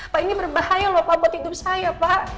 pak ini berbahaya loh pak buat hidup saya pak